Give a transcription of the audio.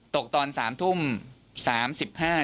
ตกตอนสามทุ่มสามสิบห้า